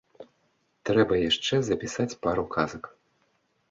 Трэба яшчэ запісаць пару казак.